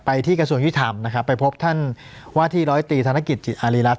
ที่กระทรวงยุทธรรมนะครับไปพบท่านว่าที่ร้อยตีธนกิจจิตอารีรัฐ